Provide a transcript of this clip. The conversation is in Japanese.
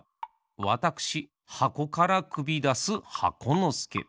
わたくしはこからくびだす箱のすけ。